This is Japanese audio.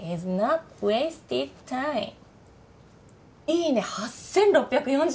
「いいね！」８６４７件！